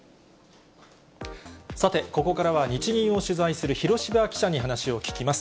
さて、ここからは、日銀を取材する広芝記者に話を聞きます。